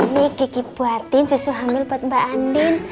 nih kiki buatin susu hamil buat mbak andin